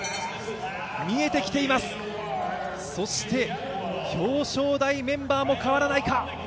見えてきています、そして表彰台メンバーも変わらないか？